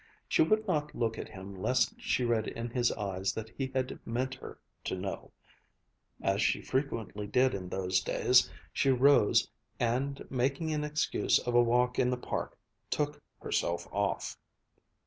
She would not look at him lest she read in his eyes that he had meant her to know. As she frequently did in those days, she rose, and making an excuse of a walk in the park, took herself off.